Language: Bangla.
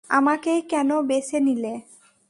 আমাকেই কেন বেছে নিলে?